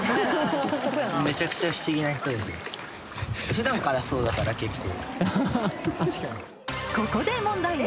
普段からそうだから結構。